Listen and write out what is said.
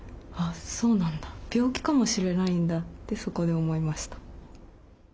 病気かもしれないんだってそこで思いました。